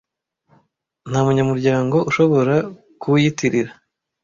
Nta munyamuryango ushobora kuwiyitirira